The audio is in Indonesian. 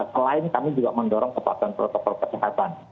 selain kami juga mendorong kepatuhan protokol kesehatan